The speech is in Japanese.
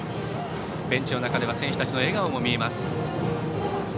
ベンチの中では選手たちの笑顔も見えます。